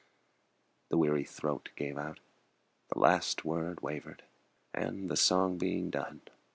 The weary throat gave out, The last word wavered, and the song was done.